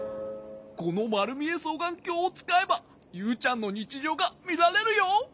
このまるみえそうがんきょうをつかえばユウちゃんのにちじょうがみられるよ。